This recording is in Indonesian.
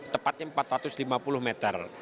empat ratus lima puluh tepatnya empat ratus lima puluh meter